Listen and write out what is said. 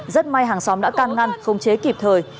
rất may hàng xóm đã can ngăn không chế kịp thời